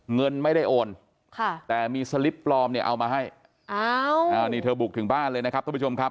เงินไม่ได้โอนแต่มีสลิปปลอมเนี่ยเอามาให้นี่เธอบุกถึงบ้านเลยนะครับทุกผู้ชมครับ